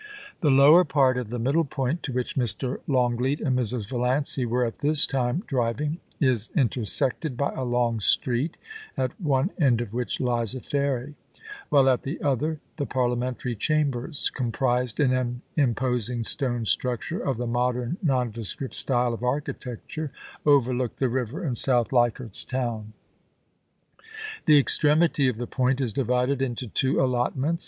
The lower part of the middle point, to which Mr. Long leat and Mrs. Valiancy were at this time driving, is inter sected by a long street, at one end of which lies a ferry, while at the other the Parliamentary Chambers, comprised in an imposing stone structure of the modern nondescript style of architecture, overlook the river and South Leichardt's Town. The extremity of the point is divided into two allotments.